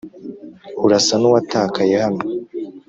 Urasa nuwatakaye hano